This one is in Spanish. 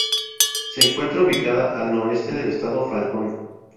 Se encuentra ubicada al noroeste del estado falcón.